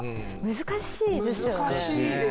難しいですよね。